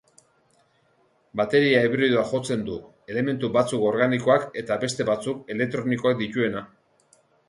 Bateria hibridoa jotzen du, elementu batzuk organikoak eta beste batzuk elektronikoak dituena.